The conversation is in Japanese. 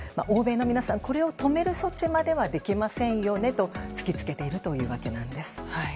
欧米の皆さんこれを止める措置まではできませんよねと突きつけているというわけなんです。